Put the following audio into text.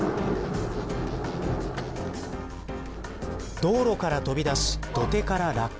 道路から飛び出し土手から落下。